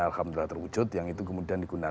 alhamdulillah terwujud yang itu kemudian digunakan